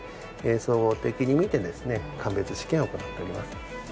総合的に見てですね鑑別試験を行っております。